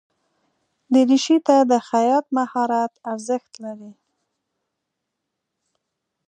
دریشي ته د خیاط مهارت ارزښت لري.